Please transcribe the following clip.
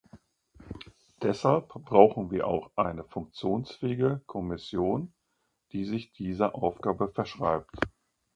Deshalb brauchen wir auch eine funktionsfähige Kommission, die sich dieser Aufgabe verschreibt.